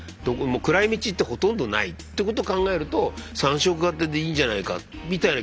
暗い道ってほとんどないってことを考えると３色型でいいんじゃないかみたいな気もしますね。